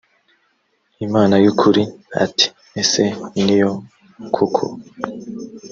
imana y ukuri ati ese niyo koko